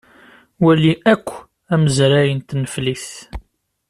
Wali akk amazray n tneflit.